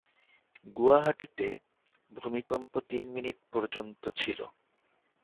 গুয়াহাটিতে, ভূমিকম্প তিন মিনিট পর্যন্ত ছিল।